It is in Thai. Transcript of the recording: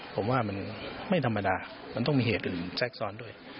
ผมว่ามันไม่ธรรมดามันต้องมีเหตุอื่นแทรกซ้อนด้วย